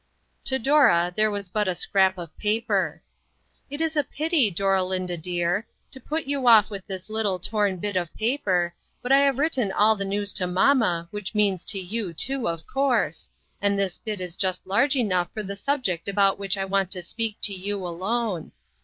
To Dora there was but a scrap of paper: " It is a pity, Doralinda dear, to put you off with this little torn bit of paper, but I have written all the news to mamma, which means to you, too, of course, and this bit is just large enough for the subject about which I want to speak to you alone.